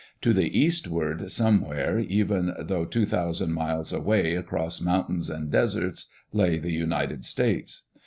To the eastward, somewhere, even though two thousand miles away across mountains and deserts, lay the United States.